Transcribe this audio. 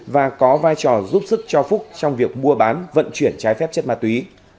và có vai trò giúp sức cho phúc trong việc mua bán vận chuyển trái phép chất ma túy